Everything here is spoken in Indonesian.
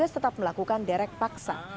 tetap melakukan derek paksa